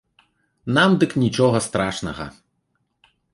Нам дык нічога страшнага.